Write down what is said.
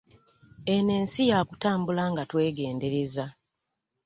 Eno ensi yakutambula nga twegendereza .